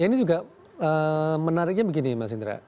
ini juga menariknya begini mas indra